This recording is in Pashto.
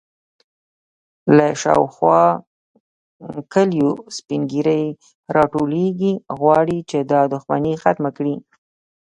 _له شاوخوا کليو سپين ږيرې راټولېږي، غواړي چې دا دښمنې ختمه کړي.